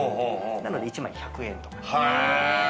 なので１枚１００円とか。